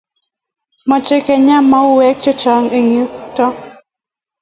Much kenyaa mionwek che chang' eng' yuto